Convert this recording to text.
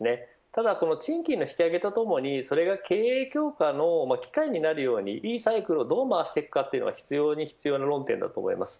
ただ、賃金の引き上げとともにそれが経営強化の機会になるようないいサイクルをどうまわしていくかというのが必要な論点だと思います。